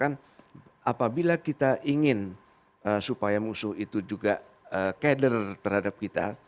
apabila kita ingin supaya musuh itu juga kader terhadap kita